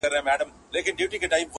یو خوا مُلا دی بل خوا کرونا ده!.